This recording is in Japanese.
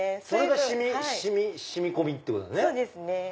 それが染み込みってことですね。